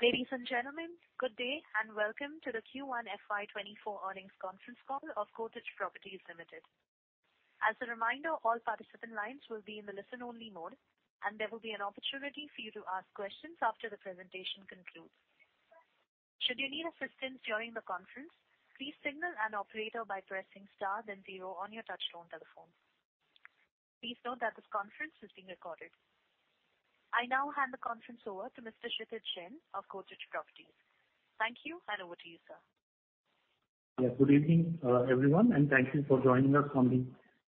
Ladies and gentlemen, good day, and welcome to the Q1 FY24 earnings conference call of Godrej Properties Limited. As a reminder, all participant lines will be in the listen-only mode, and there will be an opportunity for you to ask questions after the presentation concludes. Should you need assistance during the conference, please signal an operator by pressing star then zero on your touchtone telephone. Please note that this conference is being recorded. I now hand the conference over to Mr. Kshitij Jain of Godrej Properties. Thank you, and over to you, sir. Yeah, good evening, everyone, and thank you for joining us on the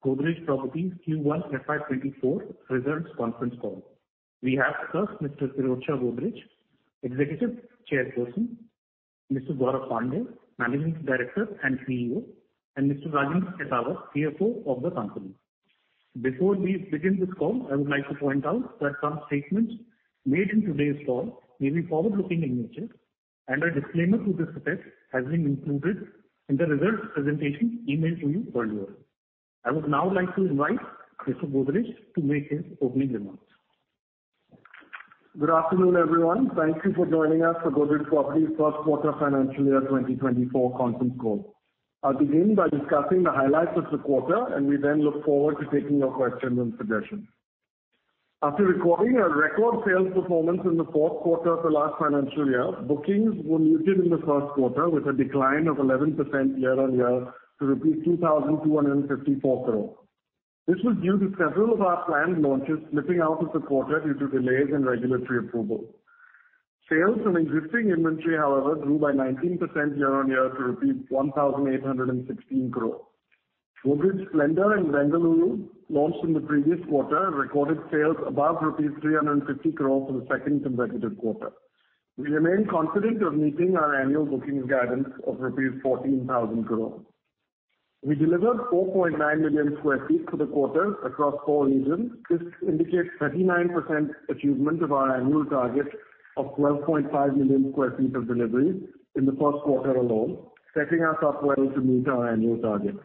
Godrej Properties Q1 FY 24 results conference call. We have first, Mr. Pirojsha Godrej, Executive Chairperson; Mr. Gaurav Pandey, Managing Director and CEO; and Mr. Rajendra Khetawat, CFO of the company. Before we begin this call, I would like to point out that some statements made in today's call may be forward-looking in nature, and a disclaimer to this effect has been included in the results presentation emailed to you earlier. I would now like to invite Mr. Godrej to make his opening remarks. Good afternoon, everyone. Thank you for joining us for Godrej Properties First Quarter Financial Year 2024 conference call. I'll begin by discussing the highlights of the quarter. We then look forward to taking your questions and suggestions. After recording a record sales performance in the fourth quarter of the last financial year, bookings were muted in the first quarter, with a decline of 11% year-on-year to rupees 2,254 crore. This was due to several of our planned launches slipping out of the quarter due to delays in regulatory approval. Sales from existing inventory, however, grew by 19% year-on-year to rupees 1,816 crore. Godrej Splendour in Bengaluru, launched in the previous quarter, recorded sales above rupees 350 crore for the second consecutive quarter. We remain confident of meeting our annual bookings guidance of rupees 14,000 crore. We delivered 4.9 million sq ft for the quarter across four regions. This indicates 39% achievement of our annual target of 12.5 million sq ft of delivery in the first quarter alone, setting us up well to meet our annual target.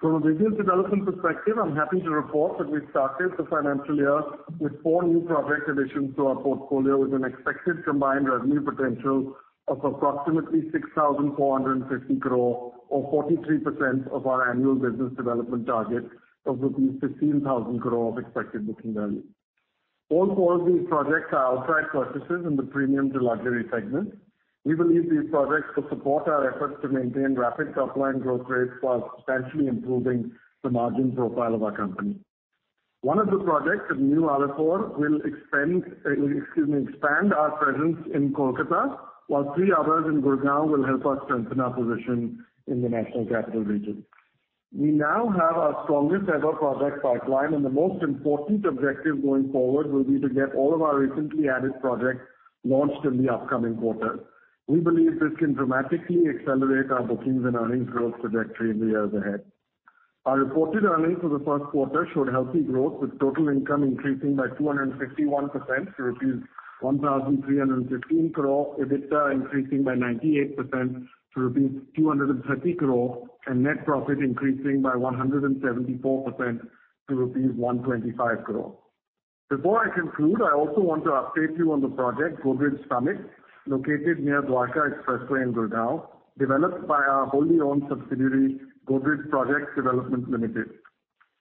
From a business development perspective, I'm happy to report that we started the financial year with four new project additions to our portfolio, with an expected combined revenue potential of approximately 6,450 crore, or 43% of our annual business development target of rupees 15,000 crore of expected booking value. All four of these projects are outside purchases in the premium to luxury segment. We believe these projects will support our efforts to maintain rapid top-line growth rates while substantially improving the margin profile of our company. One of the projects, at New Alipore, will expend, excuse me, expand our presence in Kolkata, while three others in Gurgaon will help us strengthen our position in the National Capital Region. We now have our strongest-ever project pipeline. The most important objective going forward will be to get all of our recently added projects launched in the upcoming quarter. We believe this can dramatically accelerate our bookings and earnings growth trajectory in the years ahead. Our reported earnings for the first quarter showed healthy growth, with total income increasing by 251% to rupees 1,315 crore, EBITDA increasing by 98% to rupees 230 crore, and net profit increasing by 174% to rupees 125 crore. Before I conclude, I also want to update you on the project, Godrej Summit, located near Dwarka Expressway in Gurgaon, developed by our wholly-owned subsidiary, Godrej Projects Development Limited.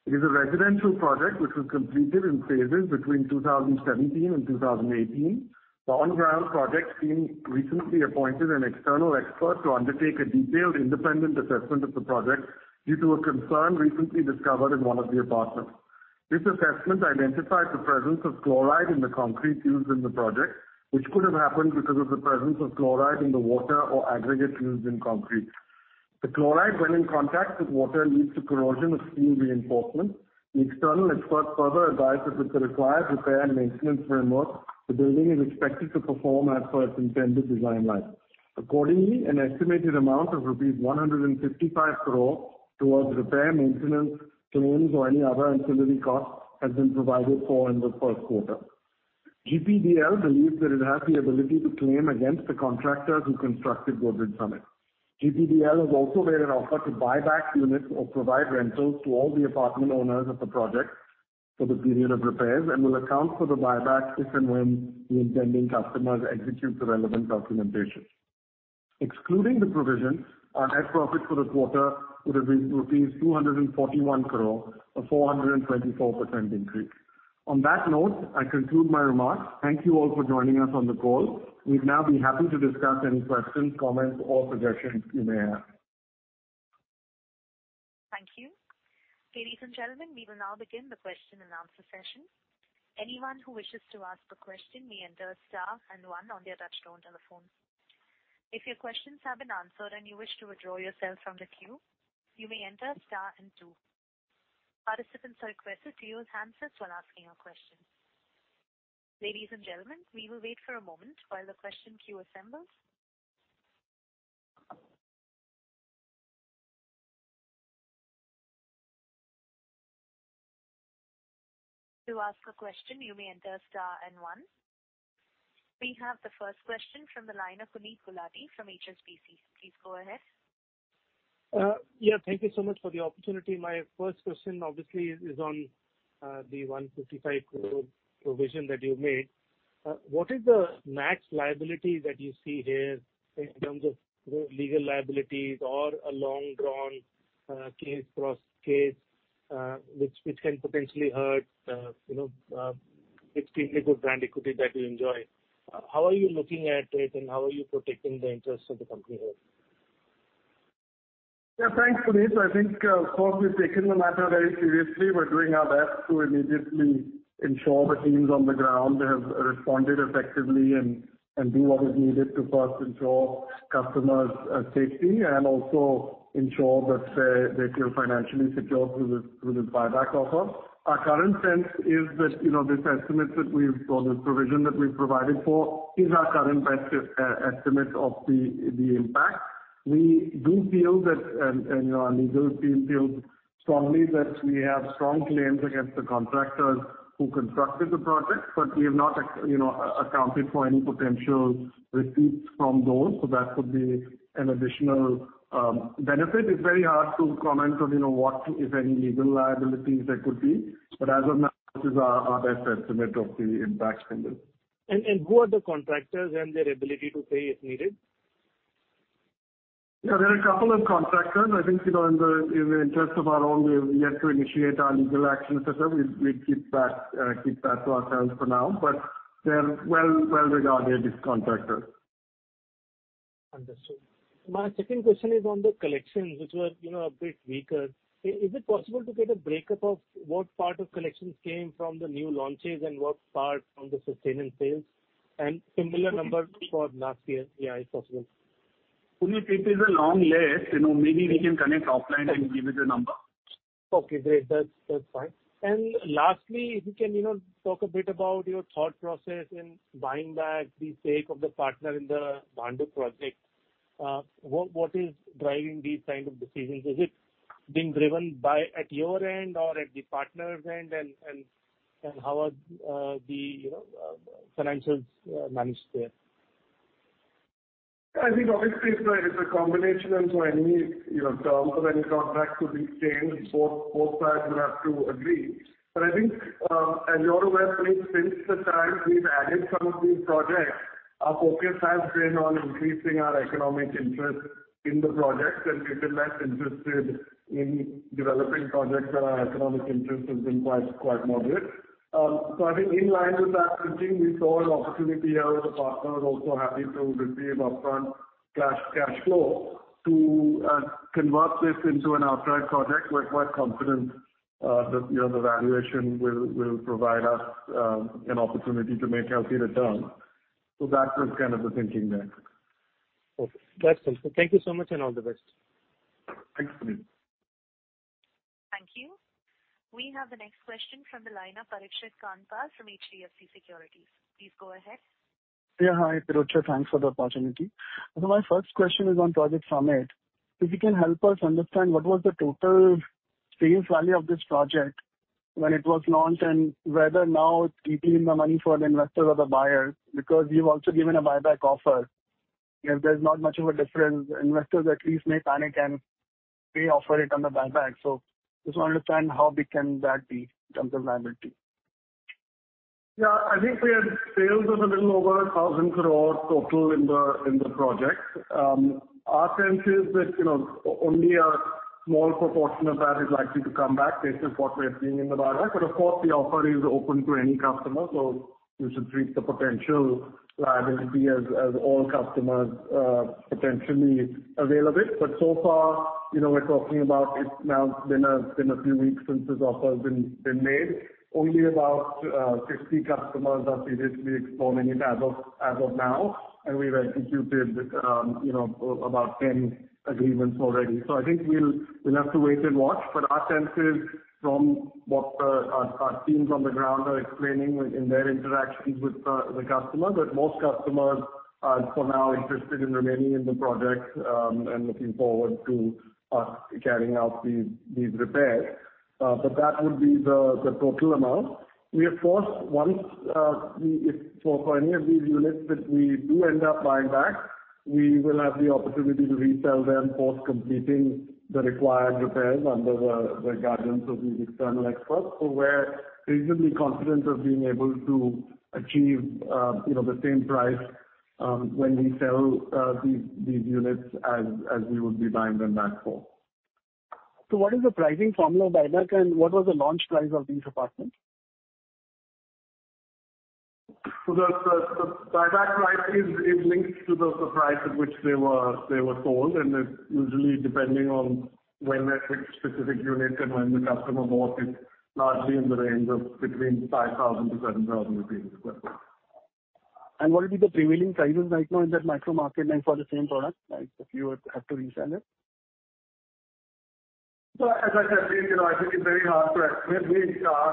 It is a residential project which was completed in phases between 2017 and 2018. The on-ground project team recently appointed an external expert to undertake a detailed independent assessment of the project due to a concern recently discovered in one of the apartments. This assessment identified the presence of chloride in the concrete used in the project, which could have happened because of the presence of chloride in the water or aggregate used in concrete. The chloride, when in contact with water, leads to corrosion of steel reinforcement. The external expert further advised that with the required repair and maintenance framework, the building is expected to perform as per its intended design life. Accordingly, an estimated amount of 155 crore towards repair, maintenance, claims, or any other ancillary costs has been provided for in the first quarter. GPDL believes that it has the ability to claim against the contractor who constructed Godrej Summit. GPDL has also made an offer to buy back units or provide rentals to all the apartment owners of the project for the period of repairs and will account for the buyback if and when the intending customers execute the relevant documentation. Excluding the provision, our net profit for the quarter would have been rupees 241 crore, a 424% increase. On that note, I conclude my remarks. Thank you all for joining us on the call. We'd now be happy to discuss any questions, comments, or suggestions you may have. Thank you. Ladies and gentlemen, we will now begin the question-and-answer session. Anyone who wishes to ask a question may enter star one on their touchtone telephone. If your questions have been answered and you wish to withdraw yourself from the queue, you may enter star two. Participants are requested to use handsets while asking a question. Ladies and gentlemen, we will wait for a moment while the question queue assembles. To ask a question, you may enter star one. We have the first question from the line of Puneet Gulati from HSBC. Please go ahead. ...Yeah, thank you so much for the opportunity. My first question obviously is, is on the 155 crore provision that you made. What is the max liability that you see here in terms of legal liabilities or a long drawn case, cross case, which, which can potentially hurt, you know, extremely good brand equity that you enjoy? How are you looking at it? How are you protecting the interests of the company here? Thanks, Puneet. I think, of course, we've taken the matter very seriously. We're doing our best to immediately ensure the teams on the ground have responded effectively and do what is needed to first ensure customers' safety and also ensure that they feel financially secure through the buyback offer. Our current sense is that, you know, this estimate that we've got, the provision that we've provided for, is our current best estimate of the impact. We do feel that, and our legal team feels strongly, that we have strong claims against the contractors who constructed the project, but we have not, you know, accounted for any potential receipts from those, so that could be an additional benefit. It's very hard to comment on, you know, what, if any, legal liabilities there could be. As of now, this is our, our best estimate of the impact from this. Who are the contractors and their ability to pay if needed? Yeah, there are a couple of contractors. I think, you know, in the interest of our own, we have yet to initiate our legal action. We, we keep that, keep that to ourselves for now. They're well, well-regarded, these contractors. Understood. My second question is on the collections, which were, you know, a bit weaker. Is it possible to get a breakup of what part of collections came from the new launches and what part from the sustaining sales? Similar numbers for last year, yeah, if possible. Puneet, it is a long list, you know, maybe we can connect offline and give you the number. Okay, great. That's, that's fine. Lastly, if you can, you know, talk a bit about your thought process in buying back the stake of the partner in the Bhandup project. What, what is driving these kind of decisions? Is it being driven by, at your end or at the partner's end, and, and, and how are, the, you know, financials, managed there? I think obviously it's a, it's a combination, and so any, you know, terms or any contract to be changed, both, both sides would have to agree. I think, as you're aware, since the time we've added some of these projects, our focus has been on increasing our economic interest in the projects and we've been less interested in developing projects where our economic interest has been quite, quite moderate. I think in line with that thinking, we saw an opportunity here with the partner, also happy to receive upfront cash, cash flow to convert this into an outright project. We're quite confident that, you know, the valuation will, will provide us an opportunity to make healthier returns. That was kind of the thinking there. Okay. That's helpful. Thank you so much, and all the best. Thanks, Puneet. Thank you. We have the next question from the line of Parikshit Kandpal from HDFC Securities. Please go ahead. Yeah, hi, Pirojsha. Thanks for the opportunity. My first question is on Godrej Summit. If you can help us understand what was the total sales value of this project when it was launched, and whether now it's equally in the money for the investors or the buyers, because you've also given a buyback offer. If there's not much of a difference, investors at least may panic and re-offer it on the buyback. Just want to understand how big can that be in terms of liability? I think we had sales of a little over 1,000 crore total in the project. Our sense is that, you know, only a small proportion of that is likely to come back based on what we are seeing in the buyback. Of course, the offer is open to any customer, so you should treat the potential liability as all customers potentially avail of it. So far, you know, we're talking about it's now been a few weeks since this offer has been made. Only about 60 customers are seriously exploring it as of now, and we've executed, you know, about 10 agreements already. I think we'll have to wait and watch. Our sense is from what our teams on the ground are explaining in their interactions with the customer, that most customers are for now interested in remaining in the project, and looking forward to us carrying out these, these repairs. That would be the, the total amount. We of course, once we -- so for any of these units that we do end up buying back, we will have the opportunity to resell them post completing the required repairs under the guidance of these external experts. So we're reasonably confident of being able to achieve, you know, the same price, when we sell these, these units as, as we would be buying them back for. What is the pricing formula of buyback, and what was the launch price of these apartments? The buyback price is linked to the price at which they were sold, and it's usually depending on when that specific unit and when the customer bought it, largely in the range of between 5,000-7,000 rupees. What would be the prevailing prices right now in that micro market and for the same product, like, if you would have to resell it? As I said, you know, I think it's very hard to. Our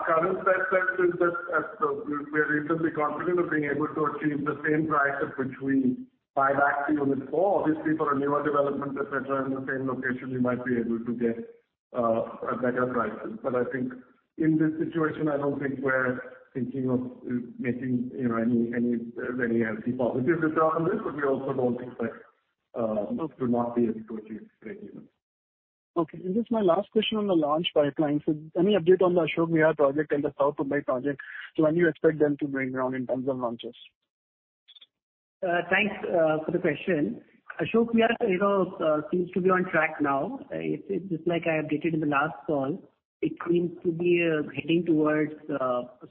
current best guess is that, we're reasonably confident of being able to achieve the same price at which we buy back the units for. Obviously, for a newer development, et cetera, in the same location, we might be able to get a better prices. I think in this situation, I don't think we're thinking of making, you know, any, any, any positive return on this, but we also don't expect, this would not be a good use case unit. Okay, this is my last question on the launch pipeline. Any update on the Ashok Vihar project and the South Mumbai project? When you expect them to bring around in terms of launches? Thanks for the question. Ashok Vihar, you know, seems to be on track now. It's, it's like I updated in the last call, it seems to be heading towards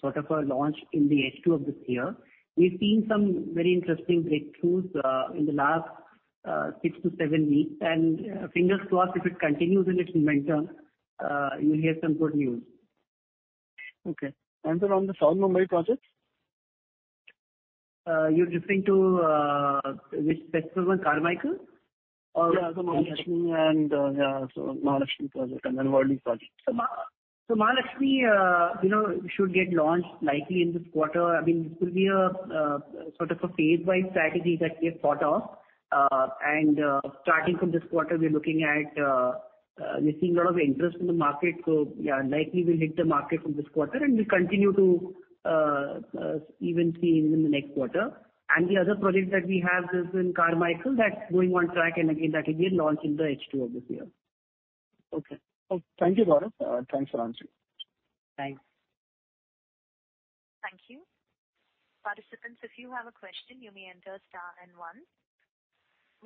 sort of a launch in the H2 of this year. We've seen some very interesting breakthroughs in the last six to seven weeks. Fingers crossed, if it continues in its momentum, you'll hear some good news. Okay, then on the South Mumbai projects? You're referring to which specific one, Carmichael? Mahalakshmi project and then Worli project. Mahalakshmi, you know, should get launched likely in this quarter. I mean, this will be a sort of a phase-wide strategy that we have thought of. Starting from this quarter, we're looking at, we're seeing a lot of interest in the market, so yeah, likely we'll hit the market from this quarter, and we'll continue to even see even in the next quarter. The other project that we have is in Carmichael, that's going on track, and again, that will be launched in the H2 of this year. Okay. Thank you, Bharat. Thanks for answering. Thanks. Thank you. Participants, if you have a question, you may enter star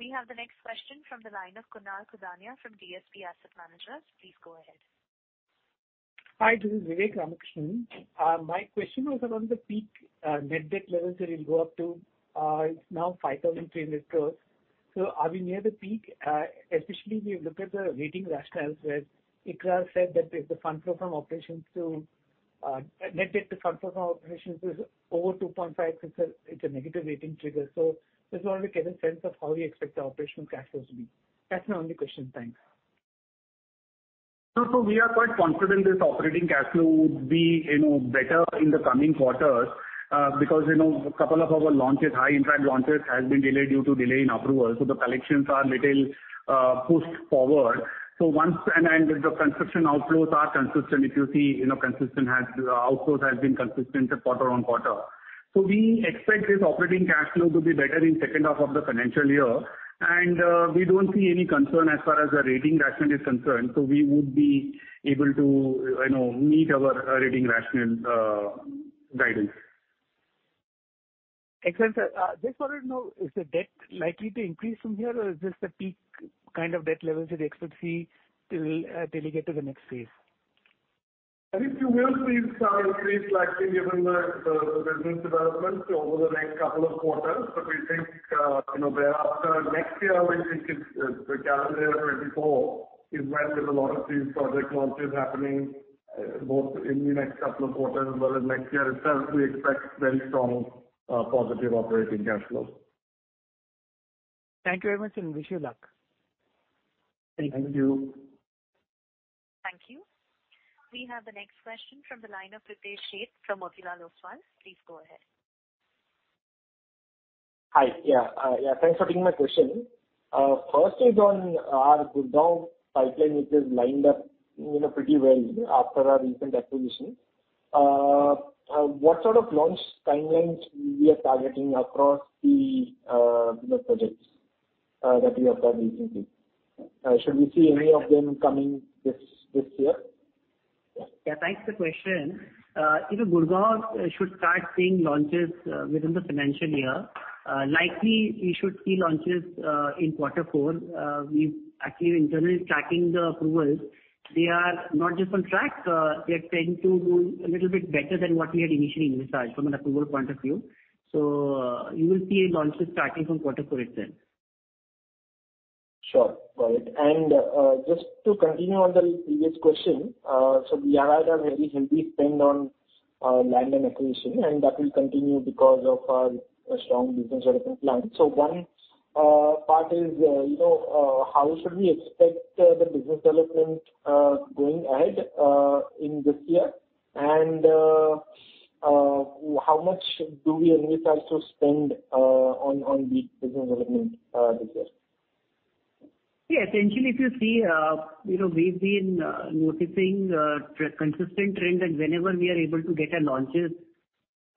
and one. We have the next question from the line of Kunal Hirani, from DSP Asset Managers. Please go ahead. Hi, this is Vivek Ramakrishnan. My question was around the peak net debt levels that you'll go up to, it's now 5,300 crore. Are we near the peak? Especially we look at the rating rationales, where ICRA said that if the fund flow from operations to net debt to fund flow from operations is over 2.5, it's a negative rating trigger. Just want to get a sense of how we expect the operational cash flows to be. That's my only question. Thanks. We are quite confident this operating cash flow would be, you know, better in the coming quarters, because, you know, a couple of our launches, high impact launches, has been delayed due to delay in approval. The collections are little pushed forward. Once and, and the construction outflows are consistent, if you see, you know, outflows has been consistent quarter-on-quarter. We expect this operating cash flow to be better in second half of the financial year. We don't see any concern as far as the rating rationale is concerned, so we would be able to, you know, meet our rating rationale guidance. Excellent, sir. Just wanted to know, is the debt likely to increase from here, or is this the peak kind of debt levels that we expect to see till, till we get to the next phase? I think you will see some increase, likely, given the, the, the business development over the next couple of quarters. We think, you know, where after next year, we think it's, the calendar year 2024, is when there's a lot of these project launches happening, both in the next couple of quarters, but in next year itself, we expect very strong, positive operating cash flows. Thank you very much, and wish you luck. Thank you. Thank you. We have the next question from the line of Pritesh Sheth from Motilal Oswal. Please go ahead. Hi. Yeah, thanks for taking my question. First is on our Gurgaon pipeline, which is lined up, you know, pretty well after our recent acquisition. What sort of launch timelines we are targeting across the projects, that we acquired recently? Should we see any of them coming this, this year? Yeah, thanks for the question. you know, Gurgaon should start seeing launches, within the financial year. likely we should see launches, in quarter four. we've actually internally tracking the approvals. They are not just on track, they are tending to do a little bit better than what we had initially envisaged from an approval point of view. you will see launches starting from quarter four itself. Sure. Got it. Just to continue on the previous question, we are at a very healthy spend on land and acquisition, and that will continue because of our strong business development plan. One part is, you know, how should we expect the business development going ahead in this year? How much do we envisage to spend on, on the business development this year? Yeah, essentially, if you see, you know, we've been noticing a consistent trend that whenever we are able to get our launches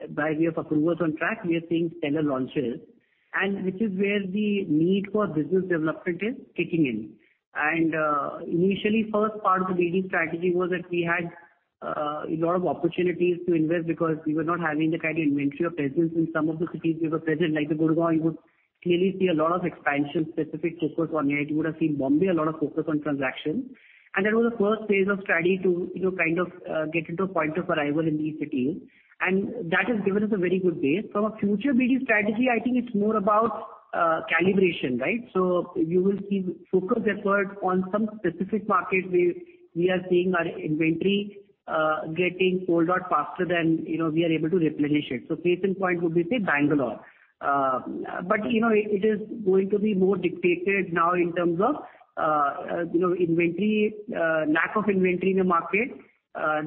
by way of approvals on track, we are seeing stellar launches, and which is where the need for business development is kicking in. Initially, first part of the BD strategy was that we had a lot of opportunities to invest because we were not having the kind of inventory or presence in some of the cities we were present. Like the Gurgaon, you would clearly see a lot of expansion-specific focus on it. You would have seen Mumbai, a lot of focus on transactions. That was the first phase of strategy to, you know, kind of get into a point of arrival in these cities, and that has given us a very good base. From a future BD strategy, I think it's more about calibration, right? You will see focused effort on some specific markets where we are seeing our inventory getting sold out faster than, you know, we are able to replenish it. Case in point would be, say, Bangalore. You know, it is going to be more dictated now in terms of, you know, inventory, lack of inventory in the market,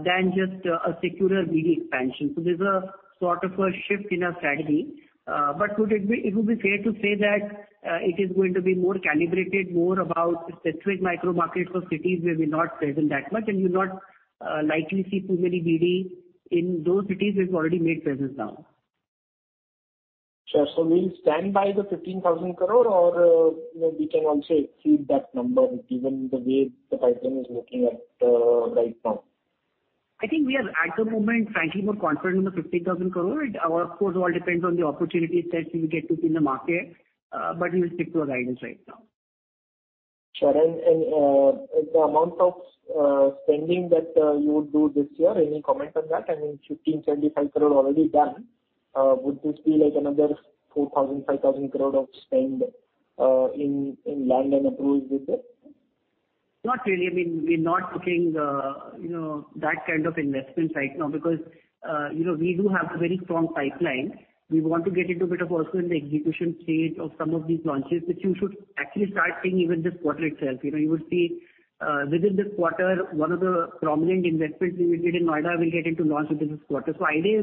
than just a secular BD expansion. There's a sort of a shift in our strategy. It would be fair to say that it is going to be more calibrated, more about specific micro markets or cities where we're not present that much, and you'll not likely see too many BD in those cities we've already made presence now. Sure. We'll stand by the 15,000 crore, or, you know, we can also exceed that number, given the way the pipeline is looking at right now. I think we are, at the moment, frankly, more confident in the 15,000 crore. It, of course, all depends on the opportunities that we get to see in the market, but we will stick to our guidance right now. Sure, the amount of spending that you would do this year, any comment on that? I mean, 15 crore-25 crore already done, would this be like another 4,000 crore-5,000 crore of spend in land and approvals this year? Not really. I mean, we're not looking, you know, that kind of investment right now, because, you know, we do have very strong pipeline. We want to get into a bit of also in the execution stage of some of these launches, which you should actually start seeing even this quarter itself. You know, you would see, within this quarter, one of the prominent investments we made in Noida will get into launch within this quarter. Idea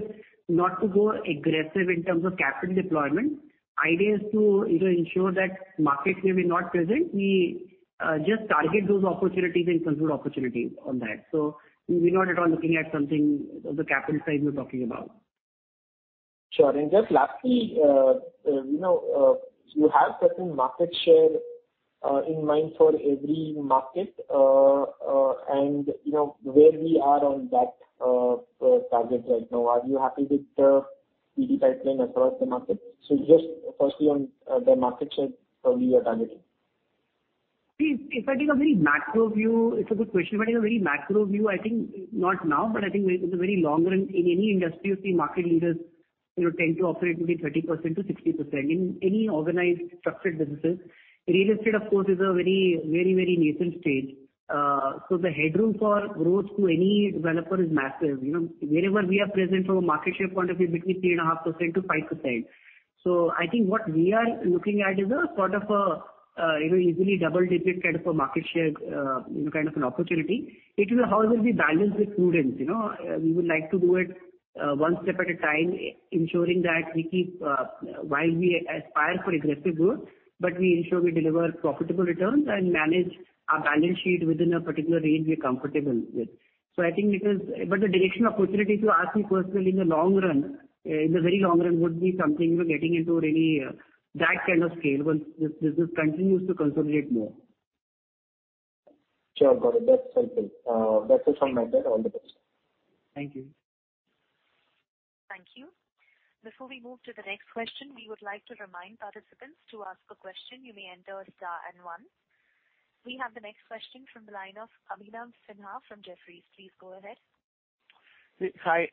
is not to go aggressive in terms of capital deployment. Idea is to, you know, ensure that markets where we're not present, we, just target those opportunities and conclude opportunities on that. We're not at all looking at something of the capital side you're talking about. Sure. Just lastly, you know, you have certain market share in mind for every market, and, you know, where we are on that target right now. Are you happy with the CD pipeline across the market? Just firstly on the market share for your targeting. If I take a very macro view, it's a good question. In a very macro view, I think not now, but I think it's a very long run. In any industry, you see market leaders, you know, tend to operate between 30%-60% in any organized structured businesses. Real estate, of course, is a very, very, very nascent stage. The headroom for growth to any developer is massive. You know, wherever we are present from a market share point of view, between 3.5%-5%. I think what we are looking at is a sort of a, you know, easily double-digit kind of a market share, you know, kind of an opportunity. It will how we will balance the prudence, you know, we would like to do it, one step at a time, ensuring that we keep, while we aspire for aggressive growth, but we ensure we deliver profitable returns and manage our balance sheet within a particular range we're comfortable with. I think it is. The direction of opportunity, if you ask me personally, in the long run, in the very long run, would be something we're getting into really, that kind of scale, once this, this continues to consolidate more. Sure, got it. That's perfect. That's it from my end. All the best. Thank you. Thank you. Before we move to the next question, we would like to remind participants to ask a question, you may enter star and one. We have the next question from the line of Abhinav Sinha from Jefferies. Please go ahead. Hi,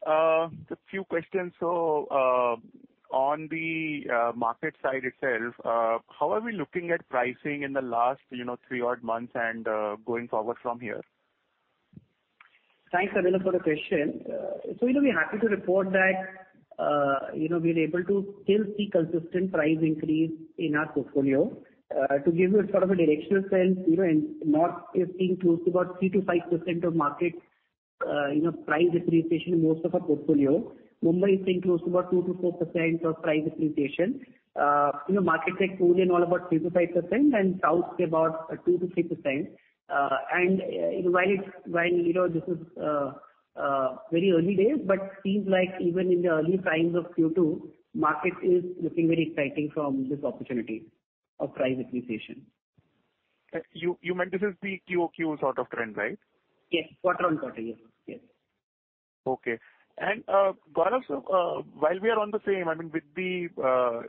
just few questions. On the market side itself, how are we looking at pricing in the last, you know, three odd months and going forward from here? Thanks, Abhinav, for the question. You know, we are happy to report that, you know, we are able to still see consistent price increase in our portfolio. To give you a sort of a directional sense, you know, in north, we are seeing close to about 3%-5% of market, you know, price appreciation in most of our portfolio. Mumbai is seeing close to about 2%-4% of price appreciation. You know, market like Pune and all, about 3%-5%, and south about 2%-3%. While it's, while, you know, this is very early days, but seems like even in the early times of Q2, market is looking very exciting from this opportunity of price appreciation. You, you meant this is the QOQ sort of trend, right? Yes, quarter on quarter. Yes, yes. Okay. Gaurav, while we are on the same, I mean, with the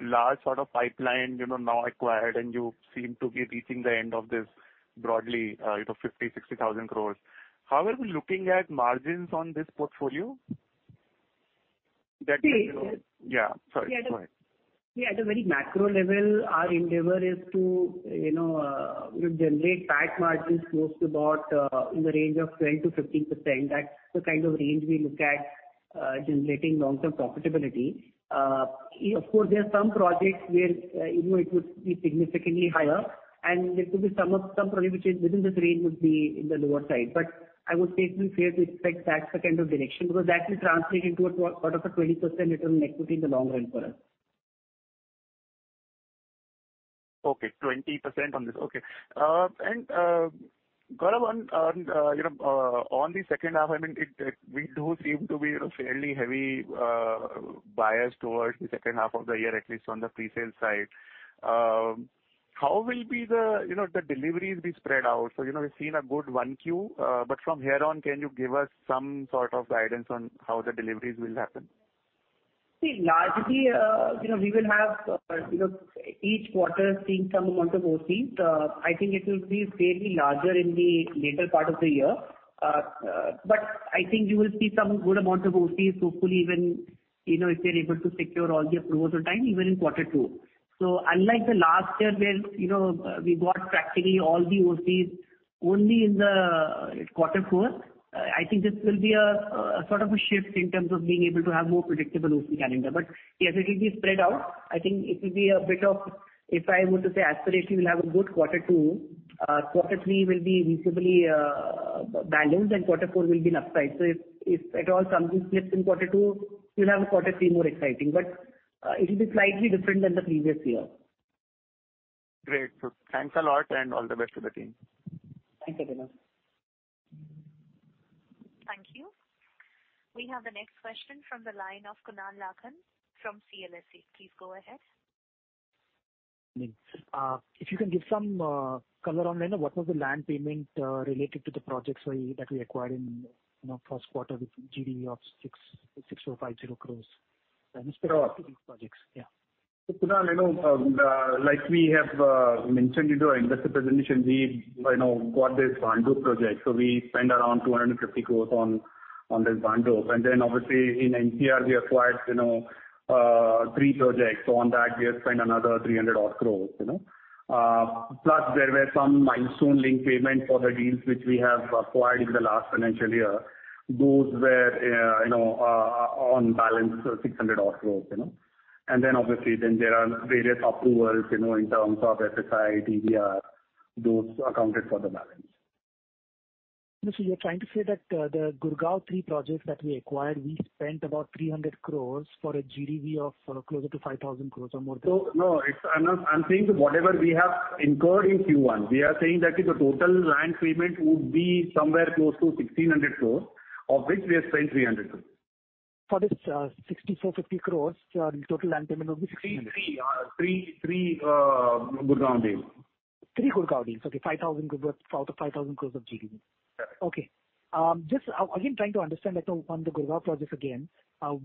large sort of pipeline, you know, now acquired, and you seem to be reaching the end of this broadly, you know, 50,000 crore-60,000 crore, how are we looking at margins on this portfolio? That. See- Yeah, sorry, go ahead. Yeah, at a very macro level, our endeavor is to, you know, generate PAT margins close to about, in the range of 12%-15%. That's the kind of range we look at, generating long-term profitability. Of course, there are some projects where, you know, it would be significantly higher, and there could be some of, some projects which is within this range would be in the lower side. I would say it's fair to expect that's the kind of direction, because that will translate into a sort of a 20% return equity in the long run for us. Okay, 20% on this. Okay. Gaurav on, on, you know, on the second half, I mean, it, we do seem to be, you know, fairly heavy, biased towards the second half of the year, at least on the pre-sale side. How will be the, you know, the deliveries be spread out? You know, we've seen a good 1Q, from here on, can you give us some sort of guidance on how the deliveries will happen? See, largely, you know, we will have, you know, each quarter seeing some amount of OCs. I think it will be fairly larger in the later part of the year. I think you will see some good amount of OCs, hopefully, even, you know, if we are able to secure all the approvals on time, even in quarter two. Unlike the last year, where, you know, we got practically all the OCs only in the quarter four, I think this will be a, a sort of a shift in terms of being able to have more predictable OC calendar. Yes, it will be spread out. I think it will be a bit of, if I were to say, aspiratively, we'll have a good quarter 2, quarter 3 will be visibly balanced, Quarter 4 will be an upside. If, if at all something slips in quarter 2, we'll have a quarter 3 more exciting. It will be slightly different than the previous year. Great. Thanks a lot, and all the best to the team. Thanks, Abhinav.... We have the next question from the line of Kunal Lakhan from CLSA. Please go ahead. If you can give some color on, you know, what was the land payment related to the projects that we, that we acquired in, you know, first quarter with GDV of 6,650 crore? Specific to these projects. Yeah. Kunal, you know, like we have mentioned in our investor presentation, we, you know, got this Bandra project, so we spent around 250 crore on this Bandra. Then obviously in NCR, we acquired, you know, three projects. On that, we have spent another 300 crore, you know. Plus there were some milestone link payment for the deals which we have acquired in the last financial year. Those were, you know, on balance, 600 crore, you know. Then obviously, then there are various approvals, you know, in terms of FSI, TDR, those accounted for the balance. You're trying to say that, the Gurgaon three projects that we acquired, we spent about 300 crore for a GDV of closer to 5,000 crore or more than? No, no, I'm not, I'm saying whatever we have incurred in Q1, we are saying that the total land payment would be somewhere close to 1,600 crore, of which we have spent 300 crore. For this, 6,450 crore, the total land payment will be 1,600. Three Gurgaon deals. Three Gurgaon deals. Okay, 5,000 worth, out of 5,000 crore of GDV. Yeah. Okay. just again, trying to understand, like on the Gurgaon projects again,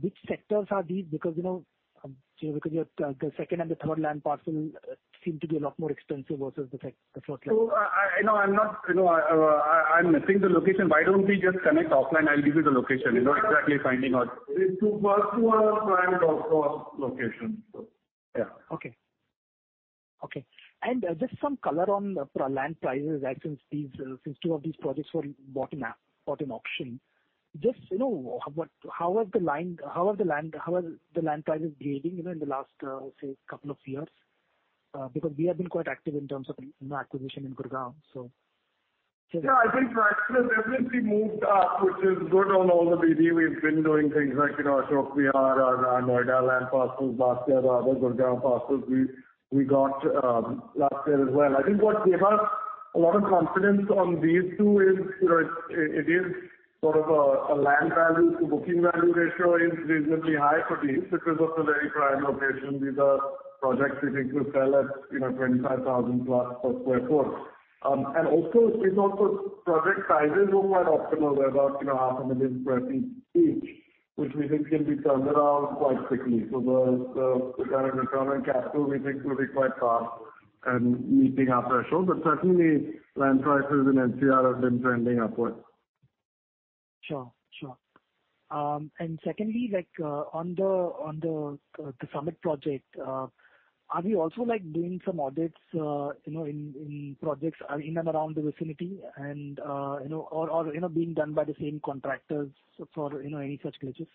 which sectors are these? Because, you know, because your, the second and the third land parcel seem to be a lot more expensive versus the first one. I, I, you know, I'm not, you know, I'm missing the location. Why don't we just connect offline? I'll give you the location. You know, exactly finding out. The first two are prime location. Yeah. Okay. Okay, just some color on the land prices, actually, since these, since 2 of these projects were bought in a, bought in auction, just, you know, how are the land prices behaving, you know, in the last, say, couple of years? Because we have been quite active in terms of acquisition in Gurgaon, so. Yeah, I think prices have definitely moved up, which is good on all the GD we've been doing things like, you know, Ashok Vihar, Noida land parcels last year, the other Gurgaon parcels we, we got last year as well. I think what gave us a lot of confidence on these two is, you know, it is sort of a land value to booking value ratio is reasonably high for these because of the very prime location. These are projects we think will sell at, you know, 25,000 plus per sq ft. Also, it's also project sizes are quite optimal, we're about, you know, 500,000 per piece each, which we think can be turned around quite quickly. The return on capital we think will be quite fast and meeting our threshold. Certainly, land prices in NCR have been trending upwards. Sure, sure. Secondly, like, on the, on the, the Summit project, are we also, like, doing some audits, you know, in, in projects in and around the vicinity and, or, or, you know, being done by the same contractors for, you know, any such glitches?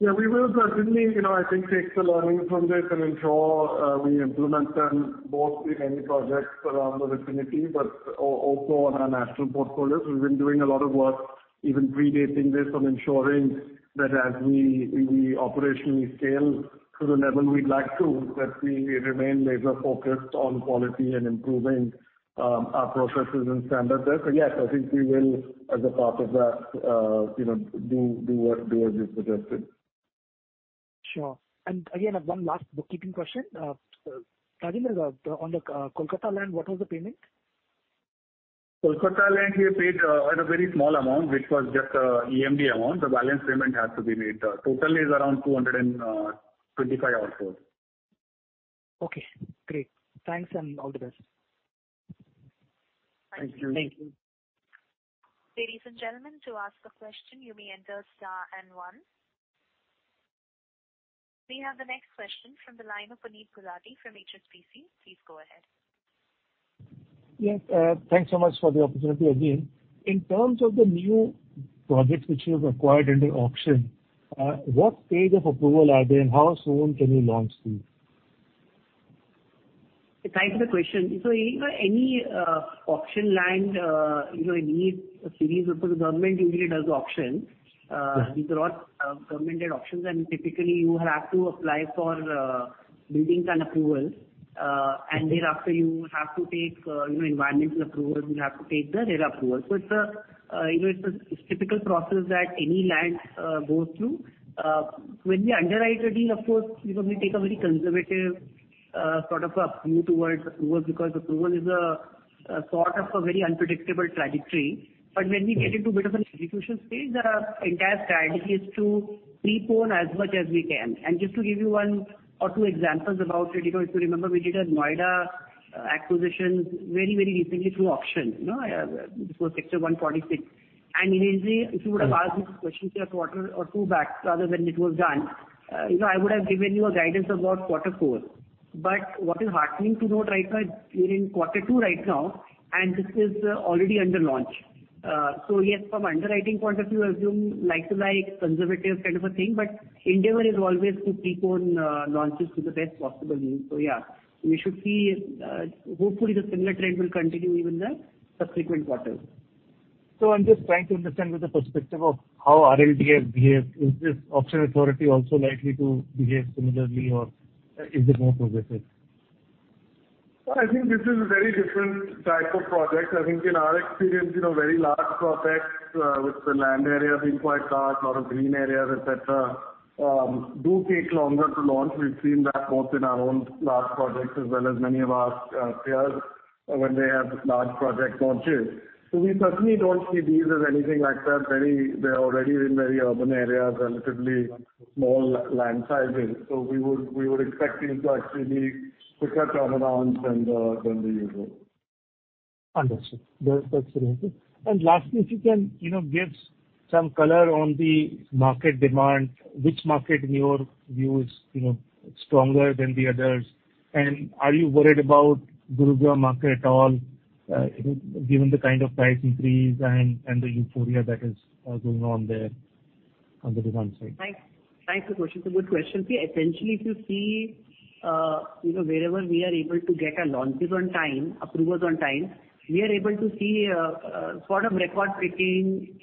Yeah, we will certainly, you know, I think, take the learning from this and ensure we implement them both in any projects around the vicinity, but also on our national portfolios. We've been doing a lot of work, even predating this, on ensuring that as we, we operationally scale to the level we'd like to, that we, we remain laser focused on quality and improving our processes and standards there. Yes, I think we will, as a part of that, you know, do as you suggested. Sure. Again, I have one last bookkeeping question. On the Kolkata land, what was the payment? Kolkata land, we paid a very small amount, which was just EMD amount. The balance payment has to be made. Total is around 225 odd crore. Okay, great. Thanks. All the best. Thank you. Thank you. Ladies and gentlemen, to ask a question, you may enter star and one. We have the next question from the line of Puneet Gulati from HSBC. Please go ahead. Yes, thanks so much for the opportunity again. In terms of the new projects which you've acquired in the auction, what stage of approval are they and how soon can you launch these? Thanks for the question. you know, any auction land, you know, it needs a series of... The government usually does auction. We got, government did auctions, and typically, you have to apply for buildings and approvals, and thereafter, you have to take, you know, environmental approvals, you have to take the rail approval. it's a, you know, it's a typical process that any land goes through. When we underwrite a deal, of course, you know, we take a very conservative sort of a view towards approval, because approval is a sort of a very unpredictable trajectory. When we get into a bit of an execution stage, our entire strategy is to pre-pone as much as we can. Just to give you one or two examples about it, you know, if you remember, we did a Noida acquisition very, very recently through auction, you know, it was sector 146. Immediately, if you would have asked me this question just one or two quarters back rather, when it was done, you know, I would have given you a guidance about Q4. What is heartening to note right now, we're in Q2 right now, and this is already under launch. Yes, from underwriting point of view, as you like to like conservative kind of a thing, but endeavor is always to pre-pone launches to the best possible use. Yeah, we should see, hopefully the similar trend will continue even in the subsequent quarters. I'm just trying to understand the perspective of how RLDA behaves. Is this auction authority also likely to behave similarly or is it more progressive? Well, I think this is a very different type of project. I think in our experience, you know, very large projects, with the land area being quite large, a lot of green areas, et cetera, do take longer to launch. We've seen that both in our own large projects as well as many of our peers when they have large project launches. We certainly don't see these as anything like that. Very. They're already in very urban areas, relatively small land sizes. We would, we would expect these to actually pick up sooner than the, than the usual. Understood. That's very helpful. Lastly, if you can, you know, give some color on the market demand, which market, in your view, is, you know, stronger than the others? Are you worried about Gurgaon market at all, given the kind of price increase and, and the euphoria that is going on there on the demand side? Thanks. Thanks for question. It's a good question. See, essentially, if you see, you know, wherever we are able to get our launches on time, approvals on time, we are able to see, sort of record breaking,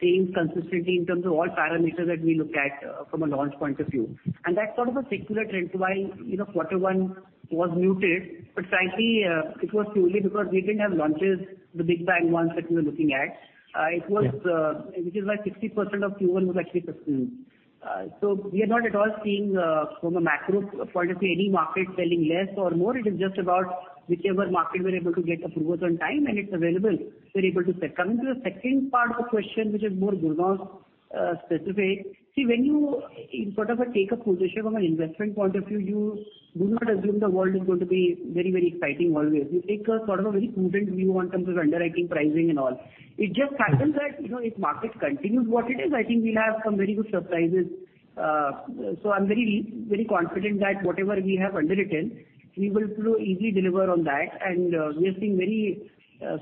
things consistently in terms of all parameters that we look at, from a launch point of view. That's sort of a secular trend. While, you know, quarter one was muted, but frankly, it was purely because we didn't have launches, the big bang ones that you were looking at. It was. Yeah. Which is why 60% of Q1 was actually postponed. We are not at all seeing, from a macro point of view, any market selling less or more. It is just about whichever market we're able to get approvals on time, and it's available, we're able to sell. Coming to the second part of the question, which is more Gurgaon specific. When you sort of take a position from an investment point of view, you do not assume the world is going to be very, very exciting always. You take a sort of a very prudent view on terms of underwriting, pricing and all. Mm-hmm. It just happens that, you know, if market continues what it is, I think we'll have some very good surprises. I'm very, very confident that whatever we have underwritten, we will easily deliver on that. We are seeing very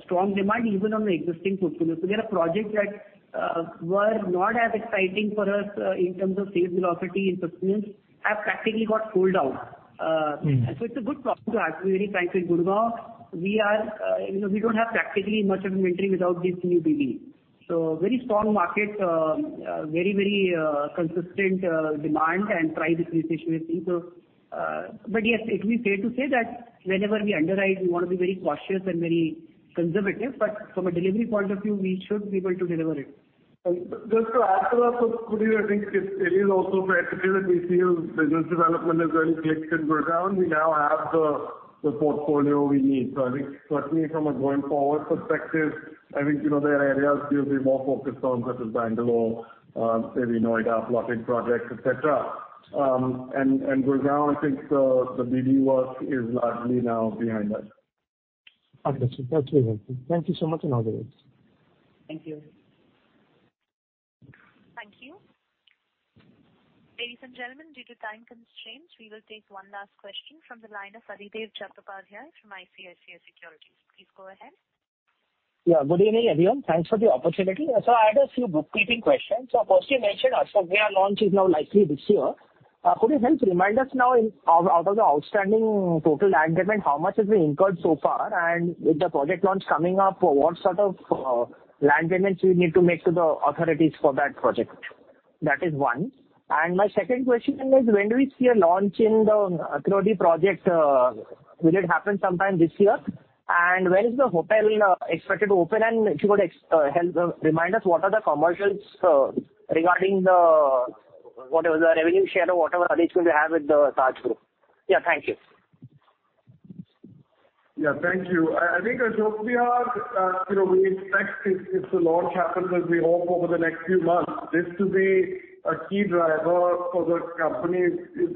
strong demand even on the existing portfolio. There are projects that were not as exciting for us in terms of sales velocity and business, have practically got sold out. Mm-hmm. It's a good problem to have, to be very frank. With Gurgaon, we are, you know, we don't have practically much of inventory without these new BB. Very strong market, very, very, consistent, demand and price appreciation, I think so. Yes, it's be fair to say that whenever we underwrite, we want to be very cautious and very conservative, but from a delivery point of view, we should be able to deliver it. Just to add to that, Puneet, I think it, it is also fair to say that we feel business development has really clicked in Gurgaon. We now have the, the portfolio we need. I think certainly from a going forward perspective, I think, you know, there are areas we'll be more focused on, such as Bangalore, say, Noida, plotting projects, et cetera. And Gurgaon, I think the, the BB work is largely now behind us. Understood. That's very helpful. Thank you so much, and all the best. Thank you. Thank you. Ladies and gentlemen, due to time constraints, we will take one last question from the line of Adhidev Chattopadhyay from ICICI Securities. Please go ahead. Yeah, good evening, everyone. Thanks for the opportunity. I had a few bookkeeping questions. First, you mentioned Ashok Vihar launch is now likely this year. Could you help remind us now in, out, out of the outstanding total land payment, how much has been incurred so far? With the project launch coming up, what sort of land payments you need to make to the authorities for that project? That is one. My second question is: When do we see a launch in the Vikhroli project... Will it happen sometime this year? When is the hotel expected to open? If you could help remind us, what are the commercials regarding the, whatever, the revenue share or whatever arrangement you have with the Taj Hotels? Yeah, thank you. Thank you. I, I think Ashok Vihar, you know, we expect, if, if the launch happens, as we hope over the next few months, this to be a key driver for the company,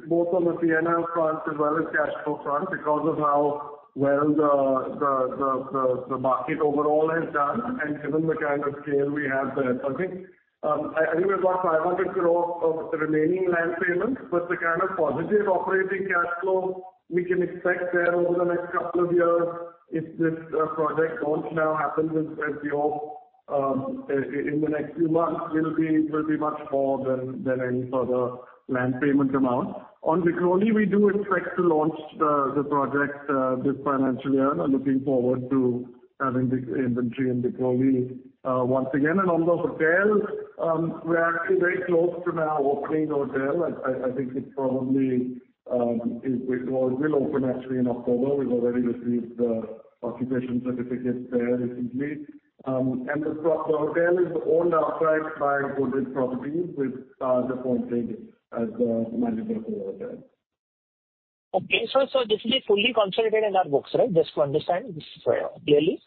both on the PNL front as well as cash flow front, because of how well the, the, the, the, the market overall has done and given the kind of scale we have there. I think, I, I think we've got 500 crore of the remaining land payments, but the kind of positive operating cash flow we can expect there over the next two years, if this project launch now happens, as we hope, in the next few months, will be, will be much more than, than any further land payment amount. On Vikhroli, we do expect to launch the project this financial year. I'm looking forward to having the inventory in Vikhroli once again. On the hotel, we are actually very close to now opening the hotel. I think it probably, well, it will open actually in October. We've already received the occupation certificate there recently. The hotel is owned outright by Godrej Properties, with the point being as the manager for the hotel. Okay. This will be fully consolidated in our books, right? Just to understand this clearly.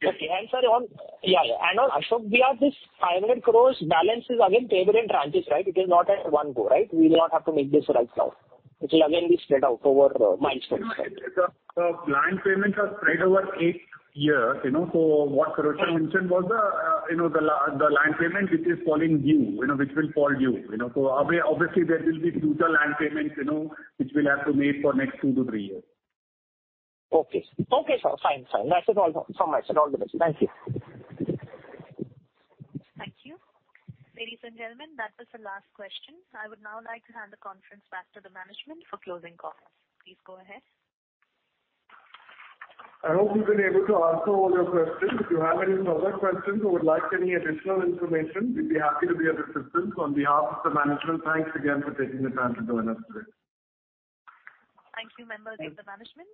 Yes. Okay. sorry on... Yeah, yeah, on Ashok Vihar, this 500 crore balance is again payable in tranches, right? It is not at one go, right? We will not have to make this right now. It will again be spread out over the milestones, right? No, the, the land payments are spread over eight years, you know. What Pirojsha Godrej mentioned was the, you know, the land payment, which is falling due, you know, which will fall due, you know. Obviously, there will be future land payments, you know, which we'll have to make for next two to three years. Okay. Okay, sir. Fine. Fine. That's it all, from my side. All the best. Thank you. Thank you. Ladies and gentlemen, that was the last question. I would now like to hand the conference back to the management for closing comments. Please go ahead. I hope we've been able to answer all your questions. If you have any further questions or would like any additional information, we'd be happy to be of assistance. On behalf of the management, thanks again for taking the time to join us today. Thank you, members of the management.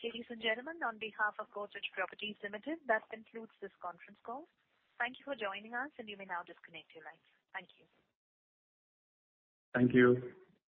Ladies and gentlemen, on behalf of Godrej Properties Limited, that concludes this conference call. Thank you for joining us, you may now disconnect your lines. Thank you. Thank you.